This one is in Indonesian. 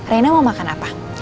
rena mau makan apa